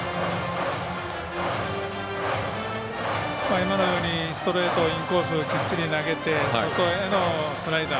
今のようにストレートインコースをきっちり投げて外へのスライダー。